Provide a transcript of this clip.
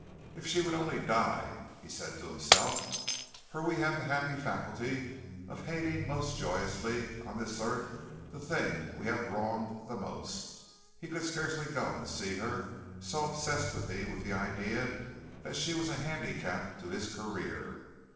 "If she would only die!" he said to himself, for we have the happy faculty of hating most joyously on this earth the thing we have wronged the most. He could scarcely go and see her, so obsessed was he with the idea that she was a handicap to his career.